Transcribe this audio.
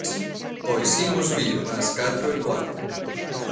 Pois imos vir ás catro e cuarto.